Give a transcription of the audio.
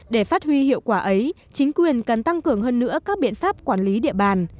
để phát huy hiệu quả ấy chính quyền cần tăng cường hơn nữa các biện pháp quản lý địa bàn